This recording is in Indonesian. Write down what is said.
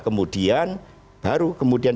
kemudian baru kemudian